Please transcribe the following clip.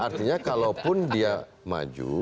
artinya kalaupun dia maju